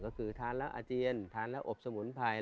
ก็คือทานแล้วอาเจียนทานแล้วอบสมุนไพร